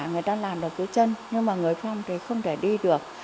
người ta làm được cái chân nhưng mà người phong thì không thể đi được